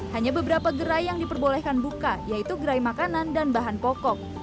hanya beberapa gerai yang diperbolehkan buka yaitu gerai makanan dan bahan pokok